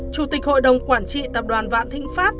chủ tịch hội đồng quản trị tập đoàn vạn thịnh pháp